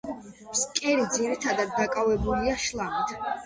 ფსკერი ძირითადად დაკავებულია შლამით.